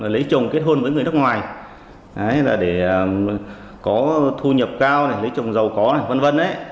lấy chồng kết hôn với người nước ngoài để có thu nhập cao lấy chồng giàu có v v